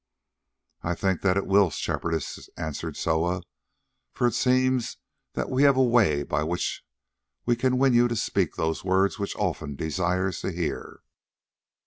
"I think that it will, Shepherdess," answered Soa, "for it seems that we have a way by which we can win you to speak those words which Olfan desires to hear."